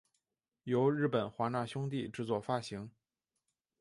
由日本华纳兄弟制作发行。